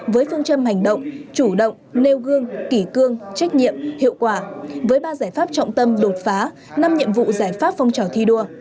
với phương châm hành động chủ động nêu gương kỷ cương trách nhiệm hiệu quả với ba giải pháp trọng tâm đột phá năm nhiệm vụ giải pháp phong trào thi đua